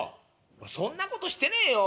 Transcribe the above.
「俺そんなことしてねえよ。